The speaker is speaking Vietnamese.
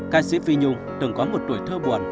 ca sĩ phi nhung từng có một tuổi thơ buồn